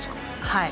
はい。